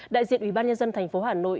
đại diện ubnd tp hà nội